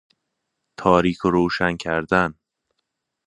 تاریک و روشن کردن